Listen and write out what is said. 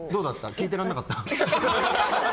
聞いてられなかった？